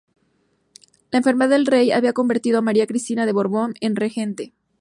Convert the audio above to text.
La enfermedad del rey había convertido a María Cristina de Borbón en Regente.